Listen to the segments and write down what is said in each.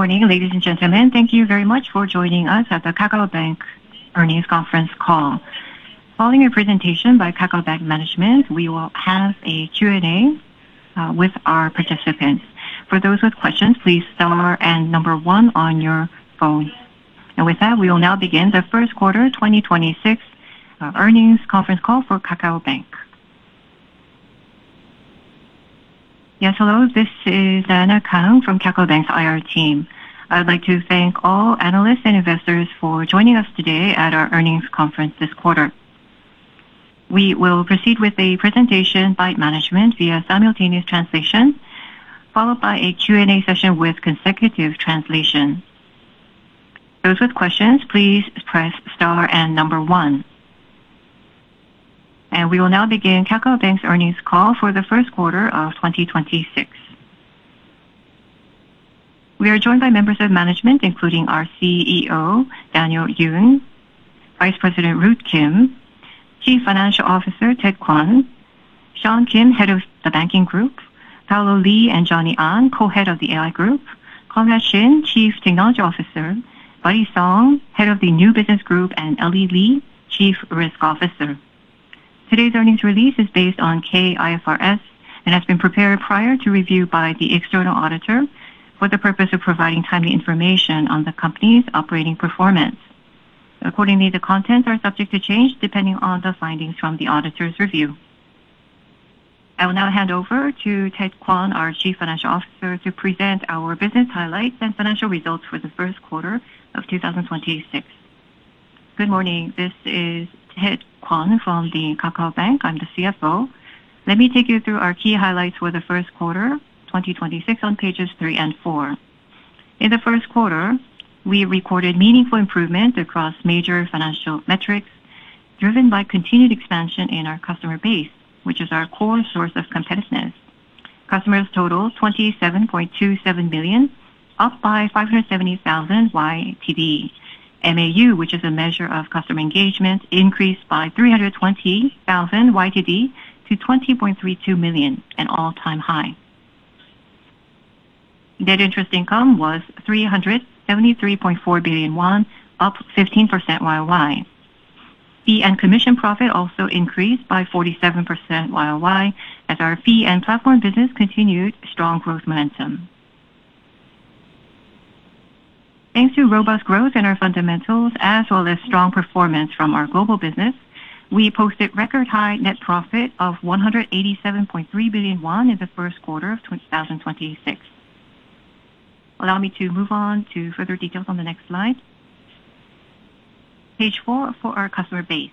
Good morning, ladies and gentlemen. Thank you very much for joining us at the KakaoBank earnings conference call. Following a presentation by KakaoBank management, we will have a Q&A with our participants. For those with questions, please Star and number one on your phone. We will now begin the first quarter 2026 earnings conference call for KakaoBank. Yes, hello, this is Anna Kang from KakaoBank's IR team. I'd like to thank all analysts and investors for joining us today at our earnings conference this quarter. We will proceed with a presentation by management via simultaneous translation, followed by a Q&A session with consecutive translation. Those with questions, please press Star and number one. We will now begin KakaoBank's earnings call for the first quarter of 2026. We are joined by members of management, including our CEO Daniel Yun, Vice President Ruth Kim, CFO Tae-hoon Kwon, Kim Seok, Head of the Banking Group, Paolo Lee and Johnny An, Co-Head of the AI Group, Shin Jae-hong, CTO, Song Ho-geun, Head of the New Business Group, and Lee Ji-woon, CRO. Today's earnings release is based on K-IFRS and has been prepared prior to review by the external auditor for the purpose of providing timely information on the company's operating performance. Accordingly, the contents are subject to change depending on the findings from the auditor's review. I will now hand over to Tae-hoon Kwon, our CFO, to present our business highlights and financial results for the first quarter of 2026. Good morning. This is Tae-hoon Kwon from the KakaoBank. I'm the CFO.Let me take you through our key highlights for the first quarter 2026 on Pages 3 and 4. In the first quarter, we recorded meaningful improvement across major financial metrics driven by continued expansion in our customer base, which is our core source of competitiveness. Customers total 27.27 billion, up by 570,000 YTD. MAU, which is a measure of customer engagement, increased by 320,000 YTD to 20.32 million, an all-time high. Net interest income was 373.4 billion won, up 15% YoY. Fee and commission profit also increased by 47% YoY as our fee and platform business continued strong growth momentum. Thanks to robust growth in our fundamentals as well as strong performance from our global business, we posted record high net profit of 187.3 billion won in the first quarter of 2026. Allow me to move on to further details on the next slide. Page fourfor our customer base.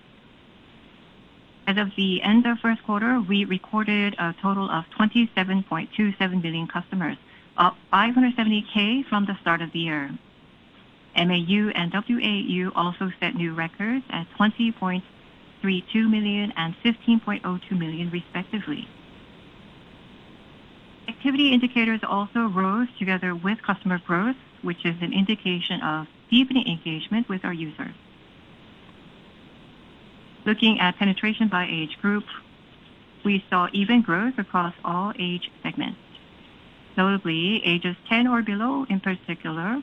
As of the end of first quarter, we recorded a total of 27.27 million customers, up 570K from the start of the year. MAU and WAU also set new records at 20.32 million and 15.02 million respectively. Activity indicators also rose together with customer growth, which is an indication of deepening engagement with our users. Looking at penetration by age group, we saw even growth across all age segments. Notably, ages 10 or below in particular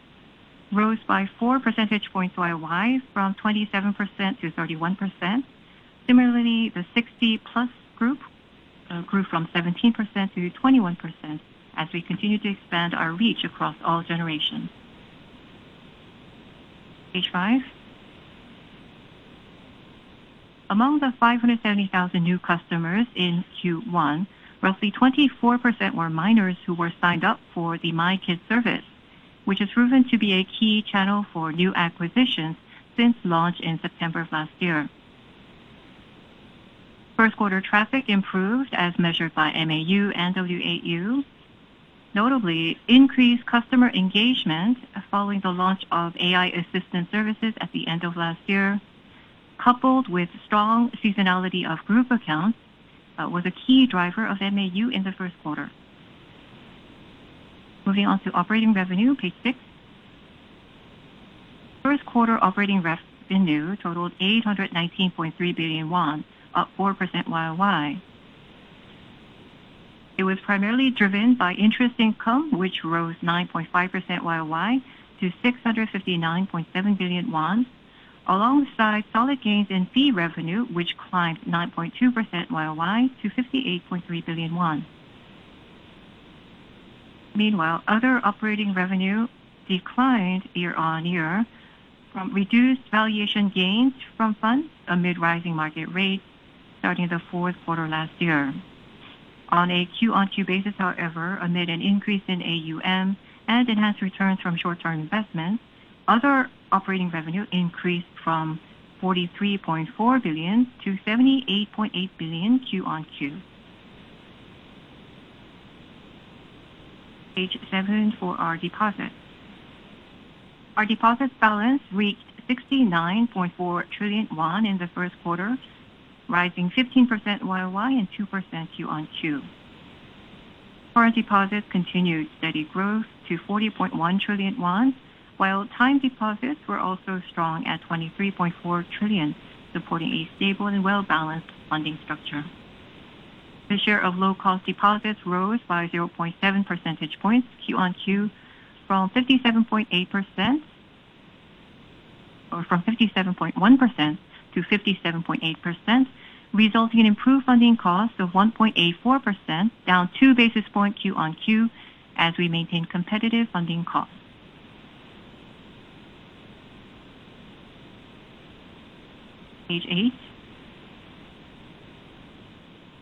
rose by 4% points YoY from 27% to 31%. Similarly, the 60-plus group grew from 17% to 21% as we continue to expand our reach across all generations. Page five. Among the 570,000 new customers in Q1, roughly 24% were minors who were signed up for the KakaoBank mini service, which has proven to be a key channel for new acquisitions since launch in September of last year. First quarter traffic improved as measured by MAU and WAU. Notably, increased customer engagement following the launch of AI assistant services at the end of last year, coupled with strong seasonality of group accounts, was a key driver of MAU in the first quarter. Moving on to operating revenue, Page six. First quarter operating revenue totaled 819.3 billion won, up 4% YoY. It was primarily driven by interest income, which rose 9.5% YoY to 659.7 billion won, alongside solid gains in fee revenue, which climbed 9.2% YoY to 58.3 billion won. Meanwhile, other operating revenue declined year-on-year from reduced valuation gains from funds amid rising market rates starting the 4th quarter last year. On a Q-on-Q basis, however, amid an increase in AUM and enhanced returns from short-term investments, other operating revenue increased from 43.4 billion to 78.8 billion Q on Q. Page seven for our deposits. Our deposit balance reached 69.4 trillion won in the 1st quarter, rising 15% YoY and 2% Q on Q. Current deposits continued steady growth to 40.1 trillion won, while time deposits were also strong at 23.4 trillion, supporting a stable and well-balanced funding structure. The share of low-cost deposits rose by 0.7 percentage points Q on Q from 57.8%, or from 57.1% to 57.8%, resulting in improved funding costs of 1.84%, down two basis points Q on Q as we maintain competitive funding costs. Page eight.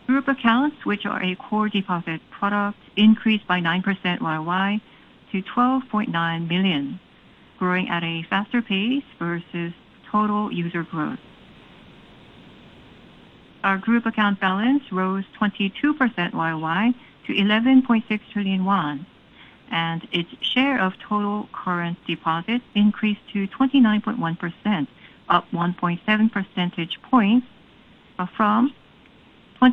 Group accounts, which are a core deposit product, increased by 9% YOY to 12.9 billion, growing at a faster pace versus total user growth. Our group account balance rose 22% YoY to 11.6 trillion won, and its share of total current deposits increased to 29.1%, up 1.7 percentage points from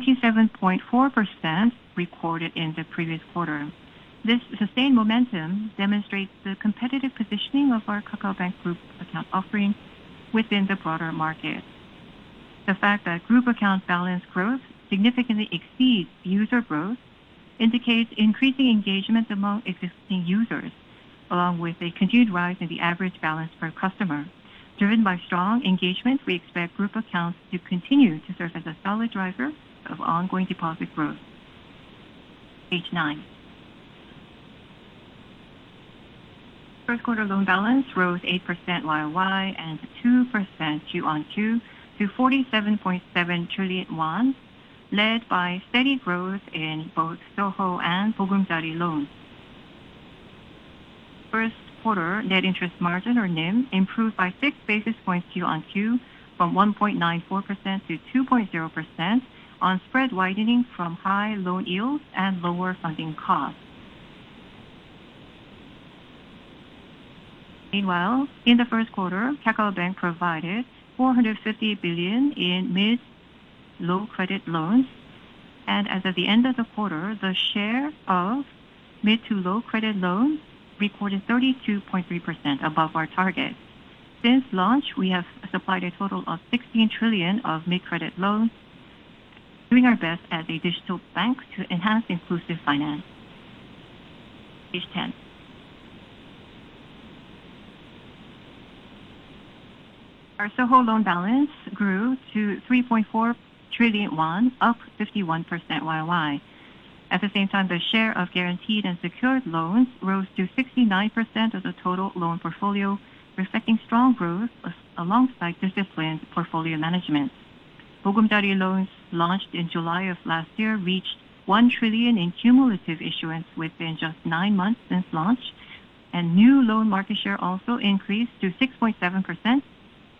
27.4% recorded in the previous quarter. This sustained momentum demonstrates the competitive positioning of our KakaoBank group account offering within the broader market. The fact that group account balance growth significantly exceeds user growth indicates increasing engagement among existing users, along with a continued rise in the average balance per customer. Driven by strong engagement, we expect group accounts to continue to serve as a solid driver of ongoing deposit growth. Page nine. First quarter loan balance rose 8% YoY and 2% Q-on-Q to 47.7 trillion won, led by steady growth in both SOHO and Bogeumjari loans. First quarter net interest margin, or NIM, improved by 6 basis points QoQ from 1.94% to 2.0% on spread widening from high loan yields and lower funding costs. Meanwhile, in the first quarter, KakaoBank provided 450 billion in mid, low credit loans. As of the end of the quarter, the share of mid to low credit loans recorded 32.3% above our target. Since launch, we have supplied a total of 16 trillion of mid credit loans, doing our best as a digital bank to enhance inclusive finance. Page 10. Our SOHO loan balance grew to 3.4 trillion won, up 51% YoY. At the same time, the share of guaranteed and secured loans rose to 69% of the total loan portfolio, reflecting strong growth alongside disciplined portfolio management. Bogeumjari loans, launched in July of last year, reached 1 trillion in cumulative issuance within just 9 months since launch, and new loan market share also increased to 6.7%,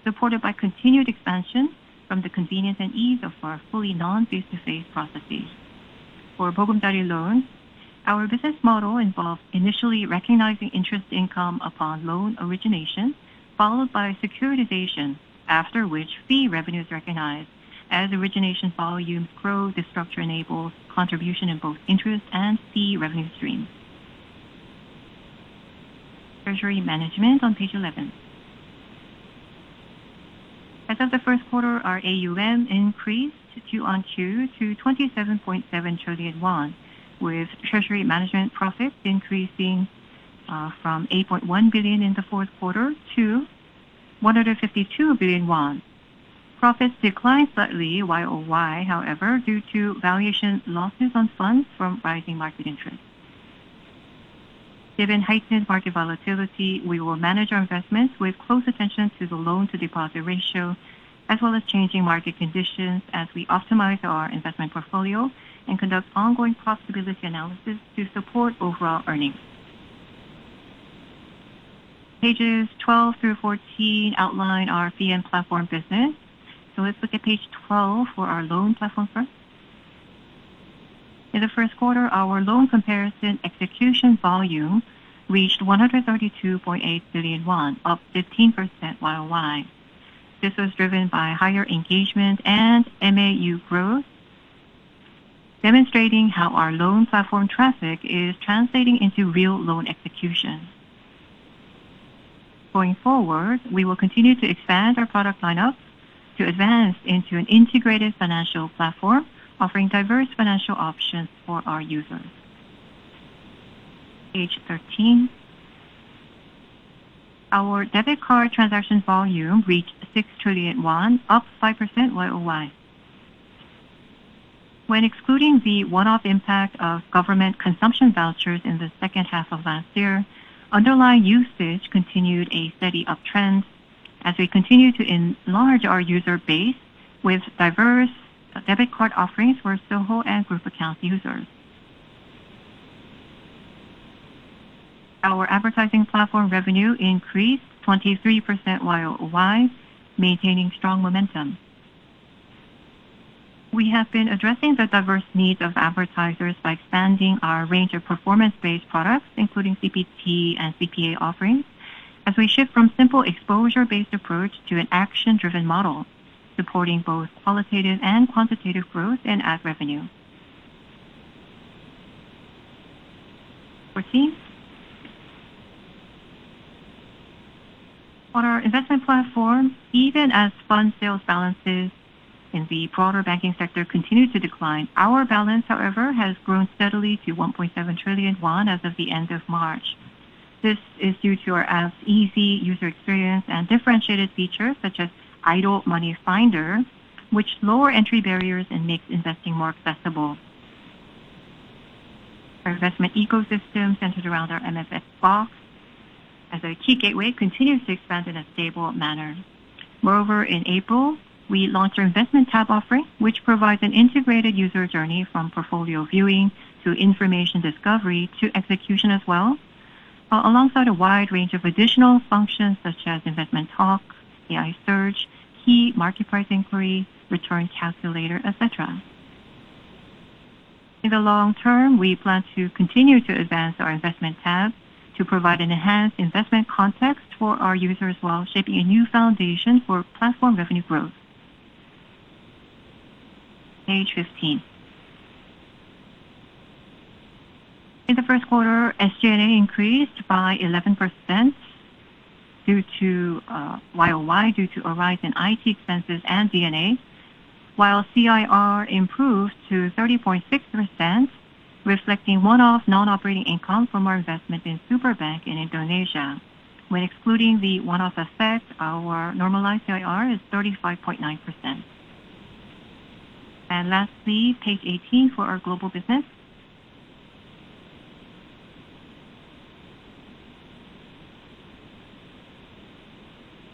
supported by continued expansion from the convenience and ease of our fully non-face-to-face processes. For Bogeumjari loans, our business model involves initially recognizing interest income upon loan origination, followed by securitization, after which fee revenue is recognized. As origination volumes grow, this structure enables contribution in both interest and fee revenue streams. Treasury management on Page 11. As of the first quarter, our AUM increased Q-on-Q to 27.7 trillion won, with treasury management profits increasing from 8.1 billion in the fourth quarter to 152 billion won. Profits declined slightly YoY, however, due to valuation losses on funds from rising market interest. Given heightened market volatility, we will manage our investments with close attention to the loan-to-deposit ratio, as well as changing market conditions as we optimize our investment portfolio and conduct ongoing profitability analysis to support overall earnings. Pages 12 through 14 outline our fee and platform business. Let's look at Page 12 for our loan platform first. In the first quarter, our loan comparison execution volume reached 132.8 billion won, up 15% YoY. This was driven by higher engagement and MAU growth, demonstrating how our loan platform traffic is translating into real loan execution. Going forward, we will continue to expand our product lineup to advance into an integrated financial platform, offering diverse financial options for our users. Page 13. Our debit card transaction volume reached 6 trillion won, up 5% YoY. When excluding the one-off impact of government consumption vouchers in the second half of last year, underlying usage continued a steady uptrend as we continue to enlarge our user base with diverse debit card offerings for SOHO and group account users. Our advertising platform revenue increased 23% YoY, maintaining strong momentum. We have been addressing the diverse needs of advertisers by expanding our range of performance-based products, including CPT and CPA offerings, as we shift from simple exposure-based approach to an action-driven model, supporting both qualitative and quantitative growth in ad revenue. On our investment platform, even as fund sales balances in the broader banking sector continue to decline, our balance, however, has grown steadily to 1.7 trillion won as of the end of March. This is due to our easy user experience and differentiated features such as idle money finder, which lower entry barriers and makes investing more accessible. Our investment ecosystem, centered around our MMF box as a key gateway, continues to expand in a stable manner. In April, we launched our investment tab offering, which provides an integrated user journey from portfolio viewing to information discovery to execution as well, alongside a wide range of additional functions such as Investment Talk, AI Search, key market price inquiry, return calculator, etc. In the long term, we plan to continue to advance our investment tab to provide an enhanced investment context for our users while shaping a new foundation for platform revenue growth. Page 15. In the first quarter, SG&A increased by 11% due to YoY, due to a rise in IT expenses and D&A, while CIR improved to 30.6%, reflecting one-off non-operating income from our investment in Superbank in Indonesia. When excluding the one-off effect, our normalized CIR is 35.9%. Lastly, Page 18 for our global business.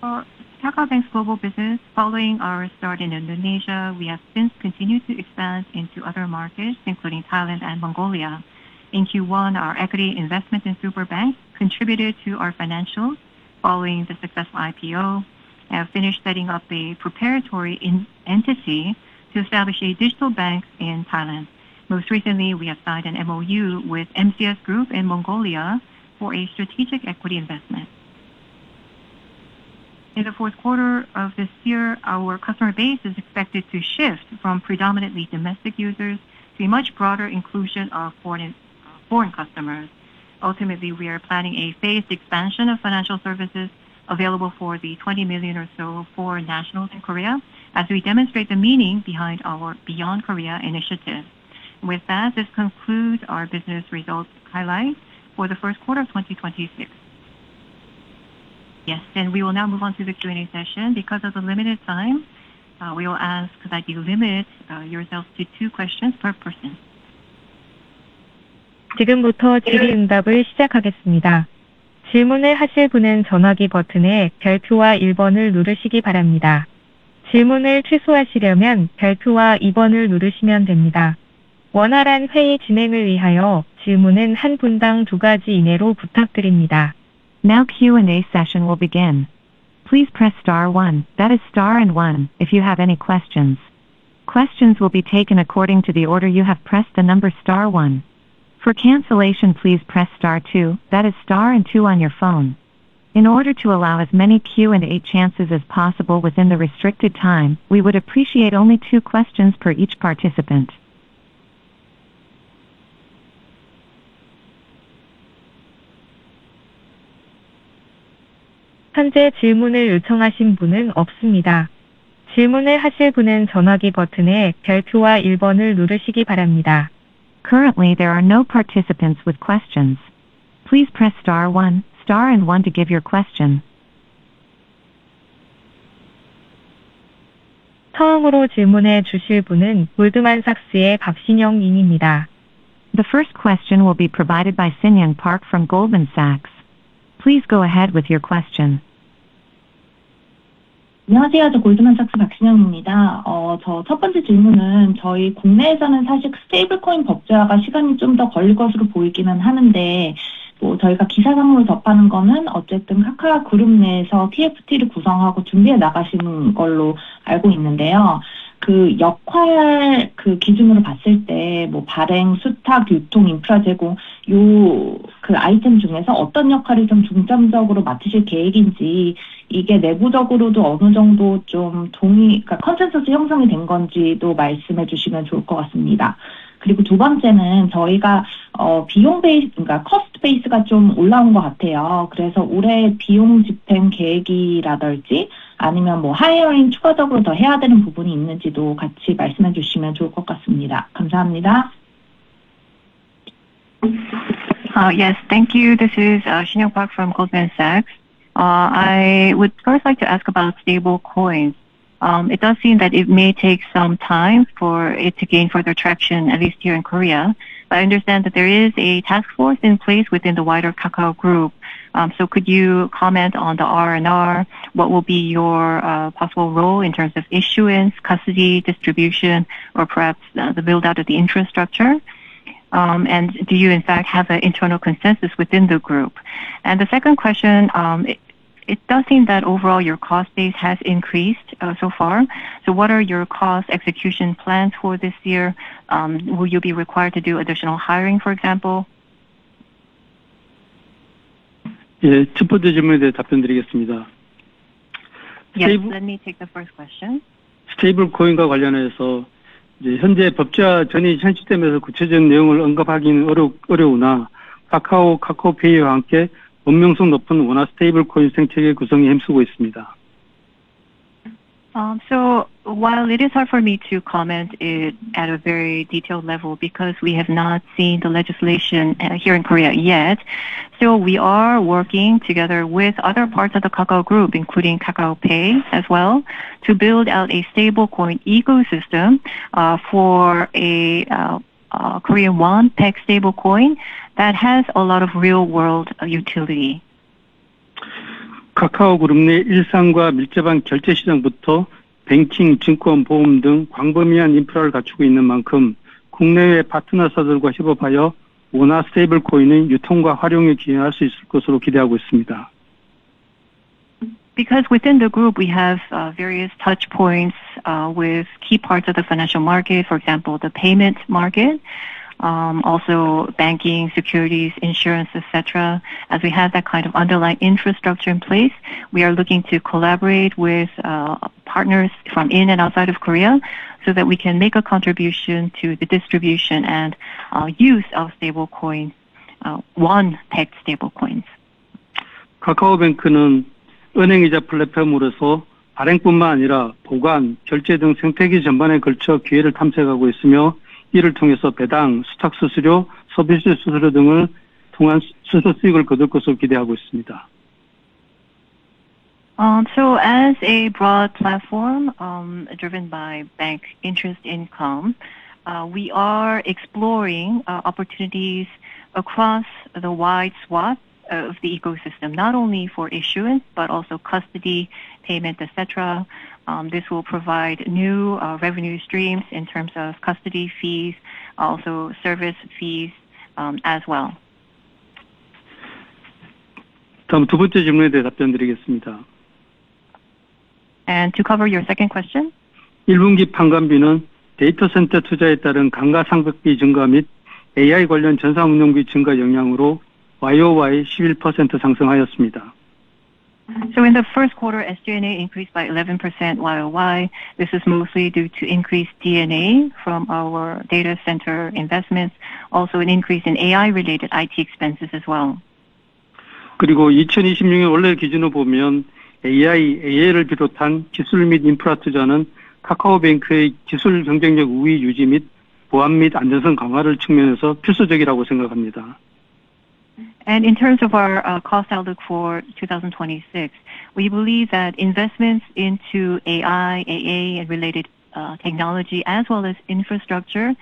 For KakaoBank's global business, following our start in Indonesia, we have since continued to expand into other markets, including Thailand and Mongolia. In Q1, our equity investment in Superbank contributed to our financials following the successful IPO and have finished setting up a preparatory entity to establish a digital bank in Thailand. Most recently, we have signed an MOU with MCS Group in Mongolia for a strategic equity investment. In the 4th quarter of this year, our customer base is expected to shift from predominantly domestic users to a much broader inclusion of foreign customers. Ultimately, we are planning a phased expansion of financial services available for the 20 million or so foreign nationals in Korea as we demonstrate the meaning behind our Beyond Korea initiative. With that, this concludes our business results highlights for the 1st quarter of 2026. Yes, we will now move on to the Q&A session. Because of the limited time, we will ask that you limit yourselves to two questions per person. Now Q&A session will begin. Please press Star one, that is Star and one, if you have any questions. Questions will be taken according to the order you have pressed the number Star one. For cancellation, please press Star two, that is Star and two on your phone. In order to allow as many Q&A chances as possible within the restricted time, we would appreciate only two questions per each participant. Currently, there are no participants with questions. Please press Star one, Star and one to give your question. The first question will be provided by Shinyoung Park from Goldman Sachs. Please go ahead with your question. Yes, thank you. This is Shinyoung Park from Goldman Sachs. I would first like to ask about stablecoins. It does seem that it may take some time for it to gain further traction, at least here in Korea, but I understand that there is a task force in place within the wider Kakao Group. Could you comment on the R&R? What will be your possible role in terms of issuance, custody, distribution, or perhaps the build-out of the infrastructure? Do you in fact, have an internal consensus within the group? The second question, it does seem that overall your cost base has increased so far. What are your cost execution plans for this year? Will you be required to do additional hiring, for example? Yes, let me take the first question. While it is hard for me to comment it at a very detailed level because we have not seen the legislation here in Korea yet. We are working together with other parts of the Kakao Group, including Kakao Pay as well, to build out a stablecoin ecosystem for a Korean won peg stablecoin that has a lot of real-world utility. Because within the group, we have various touchpoints with key parts of the financial market, for example, the payment market, also banking, securities, insurance, et cetera. As we have that kind of underlying infrastructure in place, we are looking to collaborate with partners from in and outside of Korea so that we can make a contribution to the distribution and use of stablecoin, won peg stablecoins. As a broad platform, driven by bank interest income, we are exploring opportunities across the wide swath of the ecosystem, not only for issuance, but also custody, payment, et cetera. This will provide new revenue streams in terms of custody fees, also service fees, as well. To cover your second question. In the first quarter, SG&A increased by 11% YoY. This is mostly due to increased D&A from our data center investments, also an increase in AI related IT expenses as well. In terms of our cost outlook for 2026, we believe that investments into AI, AA and related technology as well as infrastructure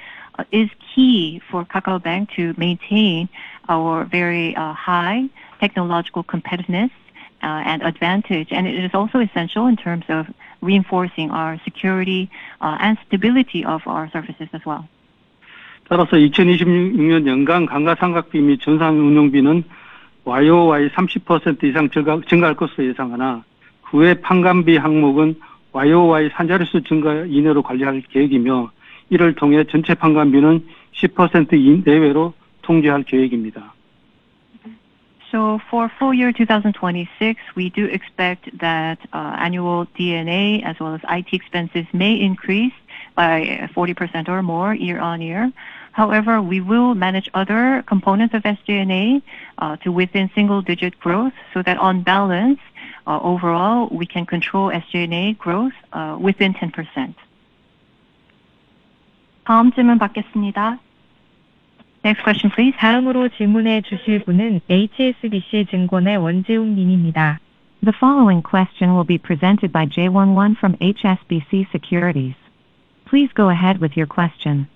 is key for KakaoBank to maintain our very high technological competitiveness and advantage. It is also essential in terms of reinforcing our security and stability of our services as well. For full year 2026, we do expect that annual D&A as well as IT expenses may increase by 40% or more year on year. However, we will manage other components of SG&A to within single-digit growth, so that on balance, overall, we can control SG&A growth within 10%. Next question, please. The following question will be presented by Jung Won Kim from HSBC Securities. Please go ahead with your question.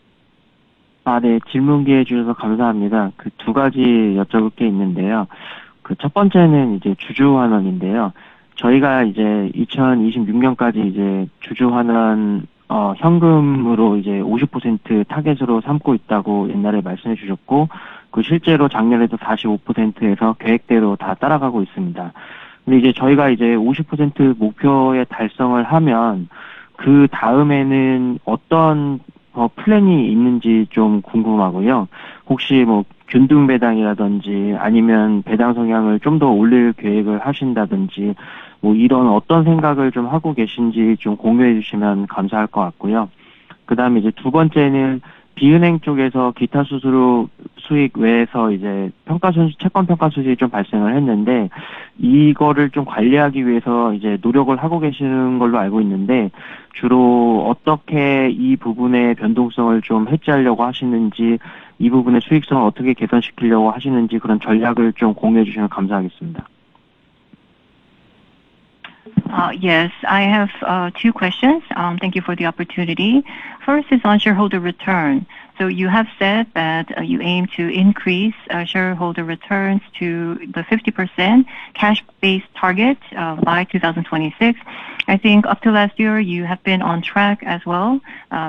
Yes. I have two questions. Thank you for the opportunity. First is on shareholder return. You have said that you aim to increase shareholder returns to the 50% cash-based target by 2026. I think up to last year you have been on track as well,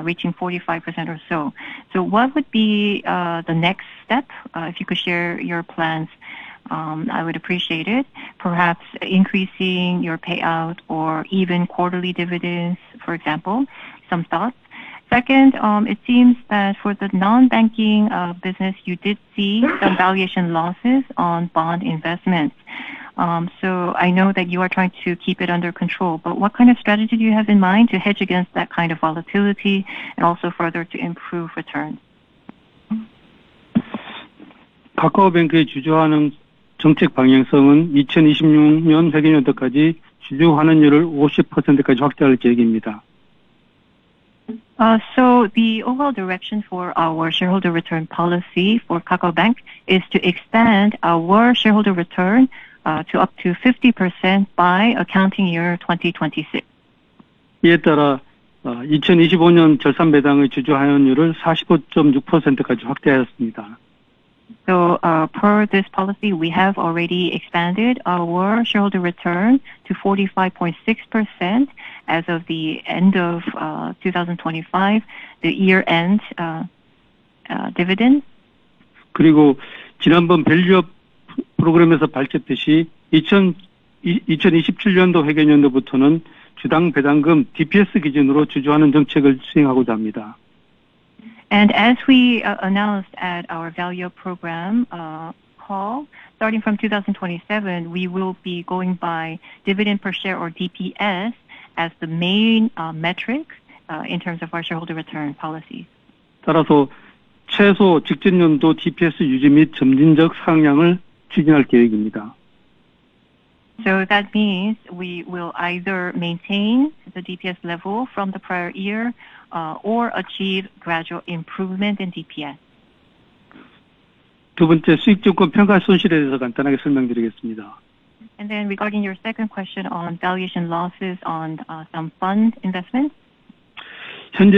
reaching 45% or so. What would be the next step? If you could share your plans, I would appreciate it. Perhaps increasing your payout or even quarterly dividends, for example. Some thoughts? Second, it seems that for the non-banking business, you did see some valuation losses on bond investments. I know that you are trying to keep it under control, but what kind of strategy do you have in mind to hedge against that kind of volatility and also further to improve return? The overall direction for our shareholder return policy for KakaoBank is to expand our shareholder return to up to 50% by accounting year 2026. Per this policy, we have already expanded our shareholder return to 45.6% as of the end of 2025, the year-end dividend. As we announced at our value program call, starting from 2027, we will be going by dividend per share or DPS as the main metric in terms of our shareholder return policy. That means we will either maintain the DPS level from the prior year or achieve gradual improvement in DPS. Regarding your second question on valuation losses on some fund investments. Right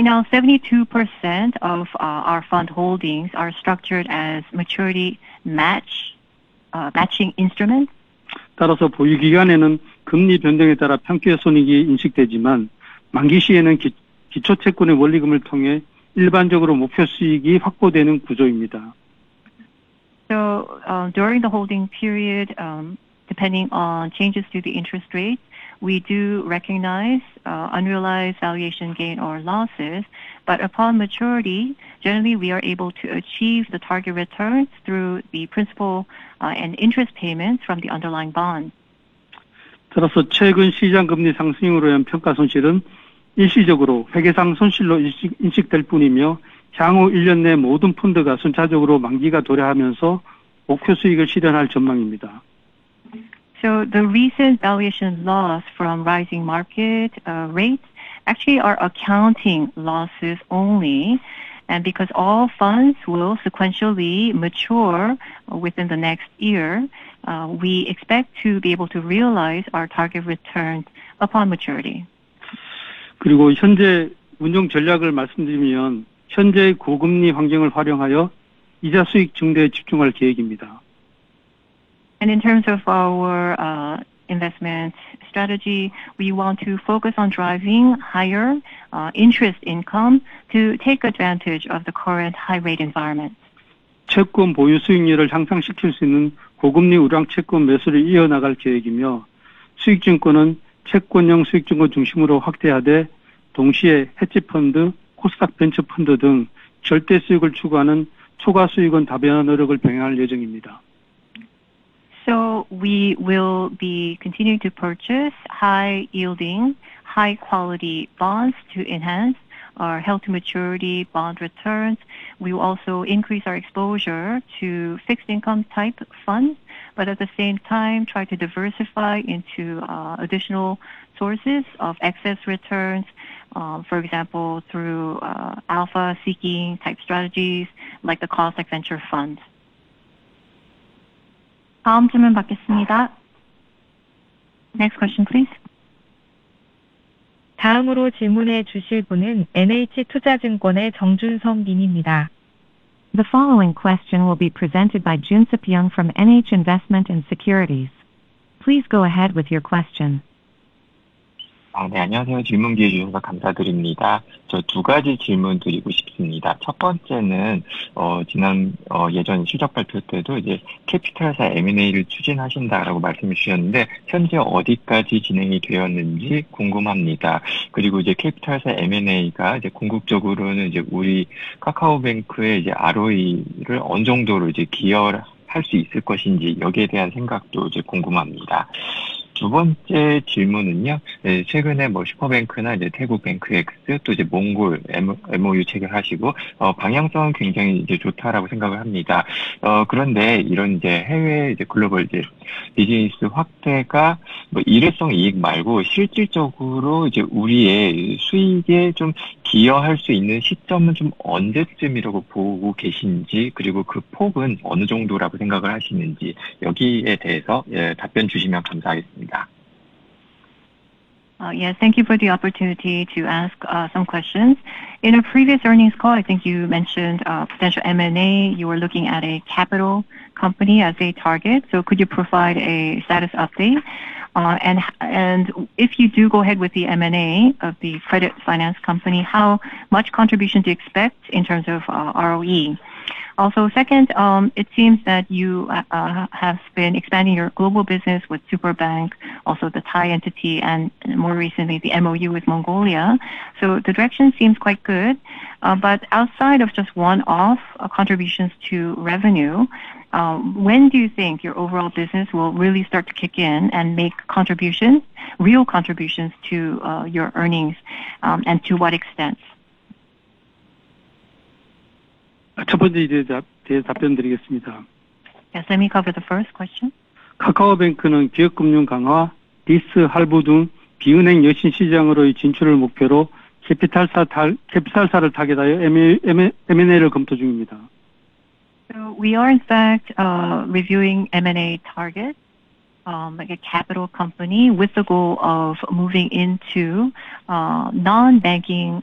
now, 72% of our fund holdings are structured as maturity match matching instruments. During the holding period, depending on changes to the interest rates, we do recognize unrealized valuation gain or losses. Upon maturity, generally we are able to achieve the target returns through the principal and interest payments from the underlying bond. The recent valuation loss from rising market rates actually are accounting losses only. Because all funds will sequentially mature within the next year, we expect to be able to realize our target returns upon maturity. In terms of our investment strategy, we want to focus on driving higher interest income to take advantage of the current high rate environment. We will be continuing to purchase high yielding, high quality bonds to enhance our held-to-maturity bond returns. We will also increase our exposure to fixed income type funds, but at the same time, try to diversify into additional sources of excess returns, for example, through alpha-seeking type strategies like the Kosdaq Venture Fund. Next question, please. The following question will be presented by Jeon Seok-Yong from NH Investment & Securities. Please go ahead with your question. Yes. Thank you for the opportunity to ask some questions. In a previous earnings call, I think you mentioned potential M&A. You were looking at a capital company as a target. Could you provide a status update? If you do go ahead with the M&A of the credit finance company, how much contribution do you expect in terms of ROE? Also second, it seems that you have been expanding your global business with Superbank, also the Thai entity, and more recently, the MOU with Mongolia. The direction seems quite good. Outside of just one-off contributions to revenue, when do you think your overall business will really start to kick in and make contributions, real contributions to your earnings, and to what extent? Yes, let me cover the first question. We are in fact reviewing M&A targets, like a capital company with the goal of moving into non-banking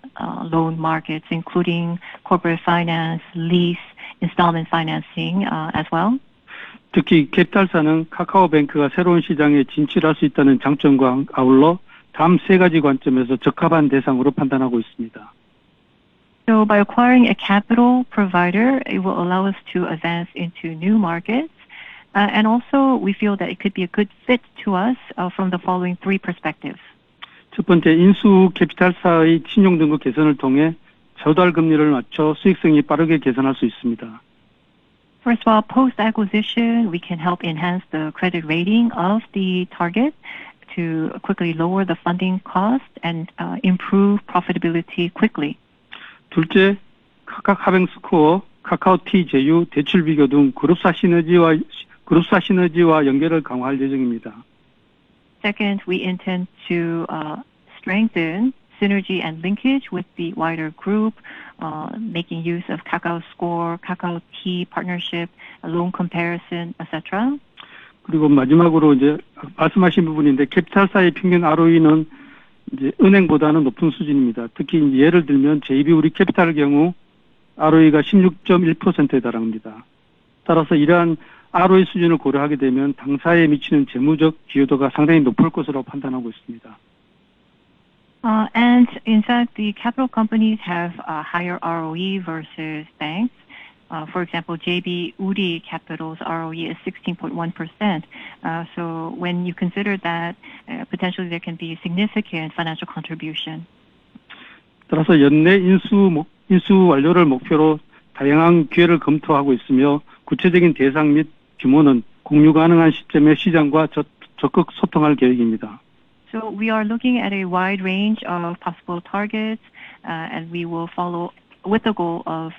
loan markets, including corporate finance, lease, installment financing, as well. By acquiring a capital provider, it will allow us to advance into new markets. We feel that it could be a good fit to us from the following three perspectives. First of all, post-acquisition, we can help enhance the credit rating of the target to quickly lower the funding cost and improve profitability quickly. Second, we intend to strengthen synergy and linkage with the wider group, making use of Kakao Score, Kakao T partnership, loan comparison, et cetera. In fact, the capital companies have a higher ROE versus banks. For example, JB Woori Capital's ROE is 16.1%. When you consider that, potentially there can be significant financial contribution. We are looking at a wide range of possible targets, and we will follow with the goal of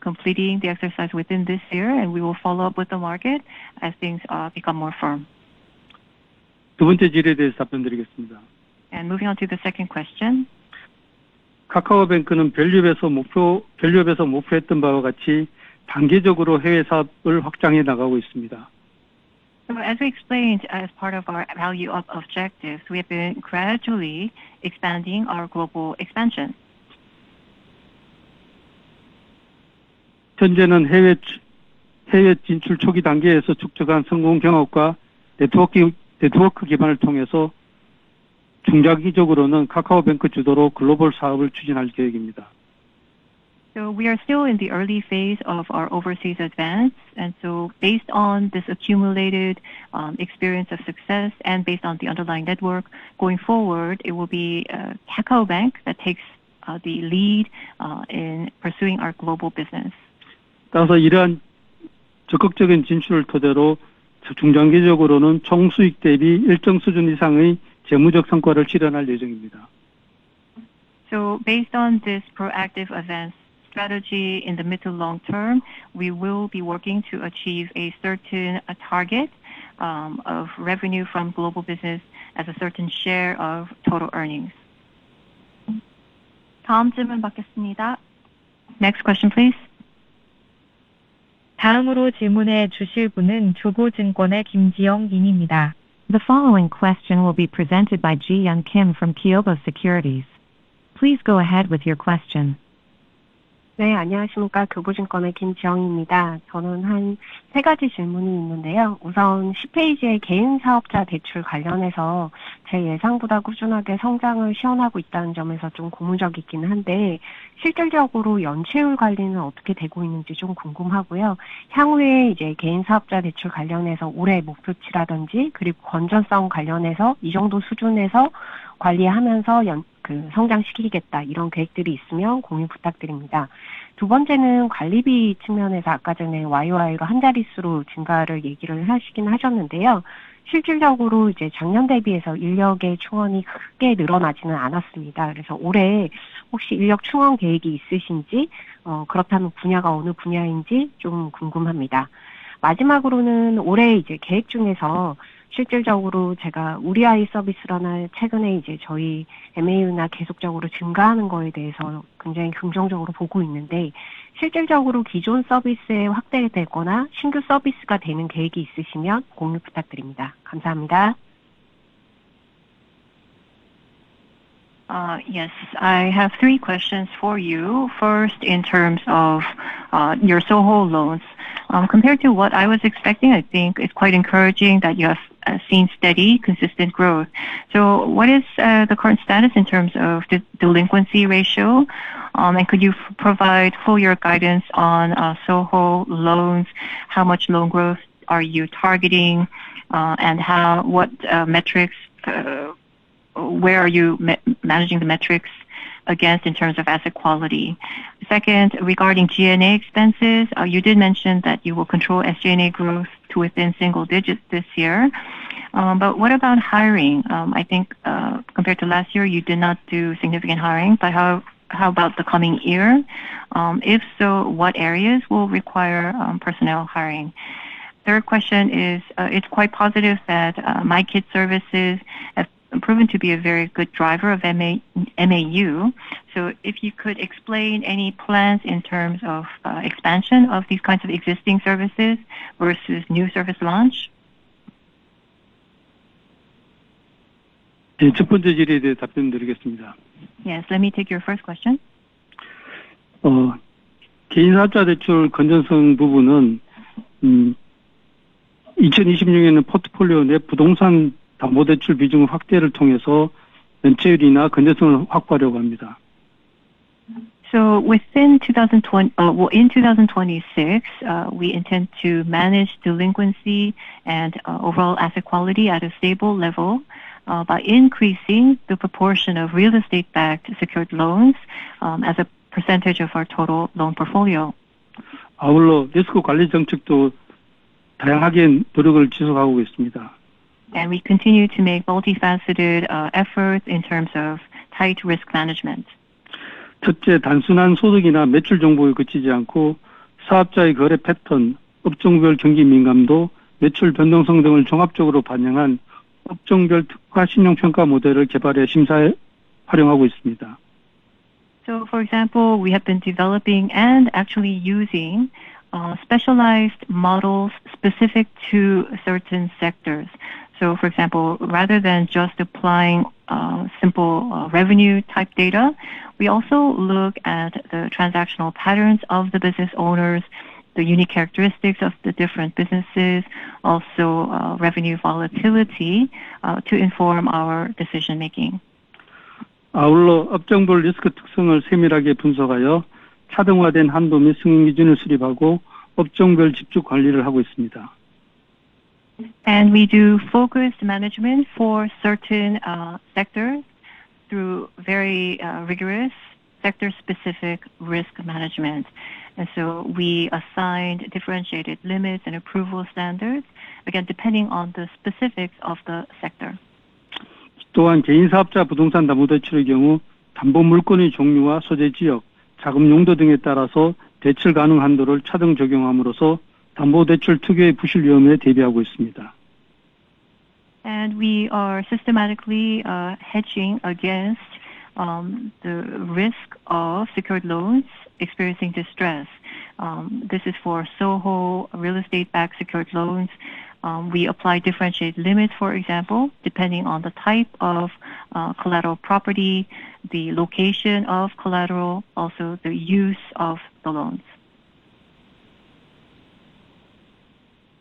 completing the exercise within this year, and we will follow up with the market as things become more firm. Moving on to the second question. As we explained, as part of our value of objectives, we have been gradually expanding our global expansion. We are still in the early phase of our overseas advance, based on this accumulated experience of success and based on the underlying network going forward, it will be KakaoBank that takes the lead in pursuing our global business. Based on this proactive advance strategy in the mid to long term, we will be working to achieve a certain target of revenue from global business as a certain share of total earnings. Next question, please. The following question will be presented by Ji-young Kim from Kyobo Securities. Please go ahead with your question. Yes. I have three questions for you. First, in terms of your SOHO loans. Compared to what I was expecting, I think it's quite encouraging that you have seen steady, consistent growth. What is the current status in terms of the delinquency ratio? Could you provide full year guidance on SOHO loans? How much loan growth are you targeting? How what metrics are you managing the metrics against in terms of asset quality? Second, regarding G&A expenses, you did mention that you will control SG&A growth to within single digits this year. What about hiring? I think, compared to last year, you did not do significant hiring, how about the coming year? If so, what areas will require personnel hiring? Third question is, it's quite positive that MyKid services have proven to be a very good driver of MAU. If you could explain any plans in terms of expansion of these kinds of existing services versus new service launch. Yes, let me take your first question. In 2026, we intend to manage delinquency and overall asset quality at a stable level by increasing the proportion of real estate-backed secured loans as a percentage of our total loan portfolio. We continue to make multifaceted efforts in terms of tight risk management. For example, we have been developing and actually using specialized models specific to certain sectors. For example, rather than just applying simple revenue type data, we also look at the transactional patterns of the business owners, the unique characteristics of the different businesses, also revenue volatility to inform our decision-making. We do focused management for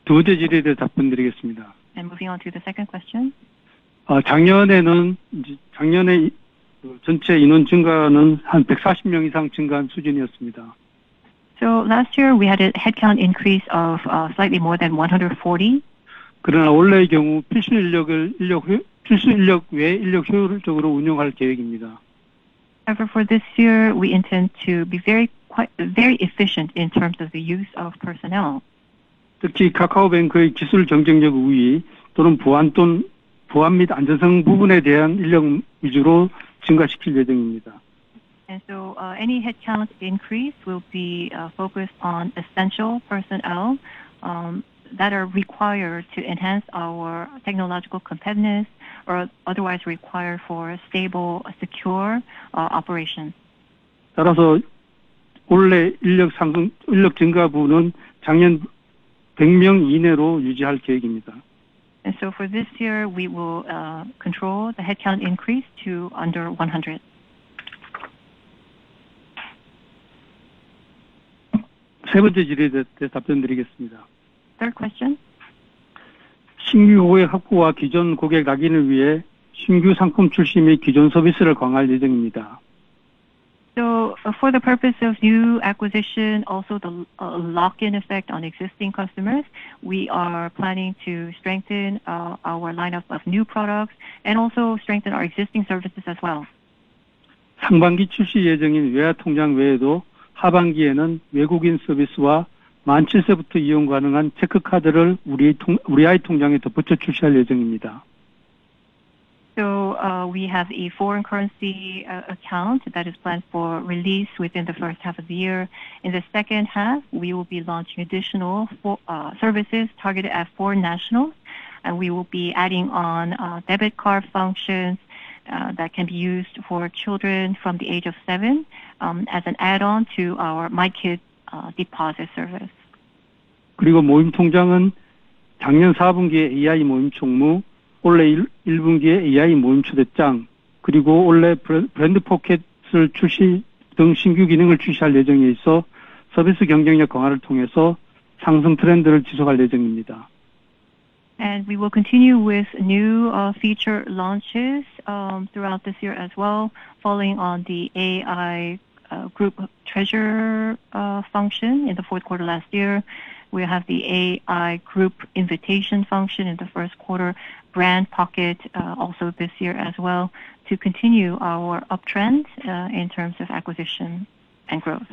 certain sectors through very rigorous sector-specific risk management. We assigned differentiated limits Brand Pocket, also this year as well, to continue our uptrend in terms of acquisition and growth.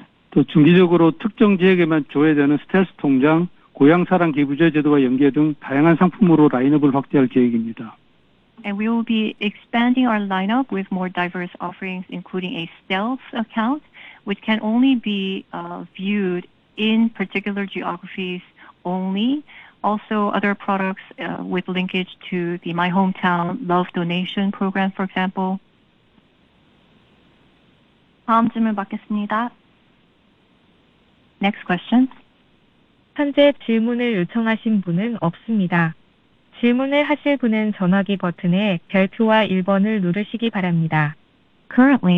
We will be expanding our lineup with more diverse offerings, including a stealth account, which can only be viewed in particular geographies only. Also other products with linkage to the Hometown Love Donation program, for example. Next question. Currently,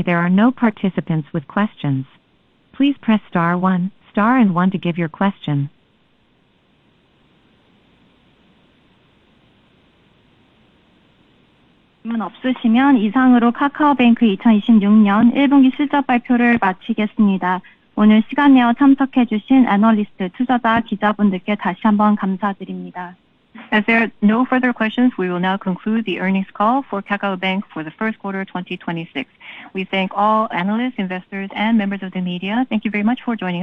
there are no participants with questions. Please press Star one, Star and one to give your question. If there are no further questions, we will now conclude the earnings call for KakaoBank for the first quarter of 2026. We thank all analysts, investors, and members of the media. Thank you very much for joining us.